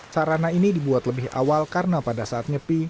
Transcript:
sarana ini dibuat lebih awal karena pada saat nyepi